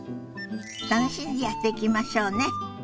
楽しんでやっていきましょうね。